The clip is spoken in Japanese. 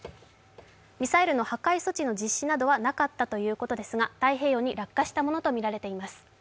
ミサイルの破壊措置の実施などはなかったということですが太平洋に落下したものとみられています。